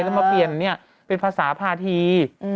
แล้วมาเปลี่ยนเป็นภาษาภาษี